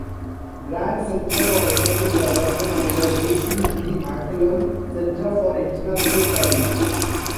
Grant Center for Economic Development and the Elkin B. McCallum Center for International Studies.